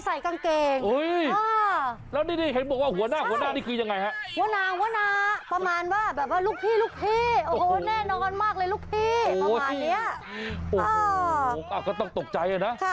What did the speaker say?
ตอนแรกเขาก็ไม่คิดนะว่าไม่ใส่กางเกง